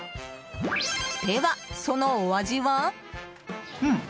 では、そのお味は。